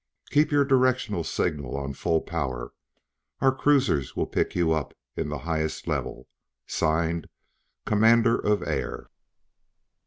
Keep your directional signal on full power; our cruisers will pick you up in the highest level. Signed: Commander of Air."